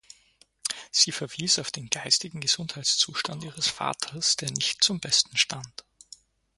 Sie verwies auf den geistigen Gesundheitszustand ihres Vaters, der nicht zum Besten stand.